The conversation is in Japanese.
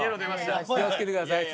気をつけてください次。